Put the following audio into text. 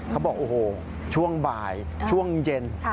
เขาบอกโอ้โหช่วงบ่ายช่วงเย็น